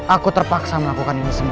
aku terpaksa melakukan ini semua